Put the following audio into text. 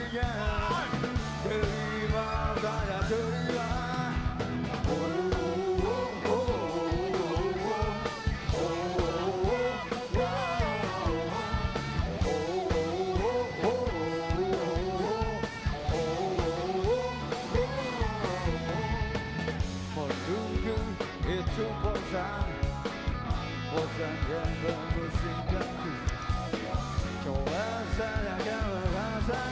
kau pun tak mengakuinya